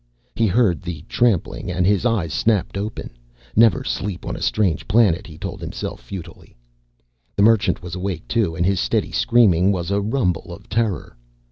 He heard the trampling and his eyes snapped open. Never sleep on a strange planet, he told himself futilely. The Merchant was awake too and his steady screaming was a rumble of terror.